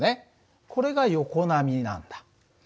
これが横波なんだ。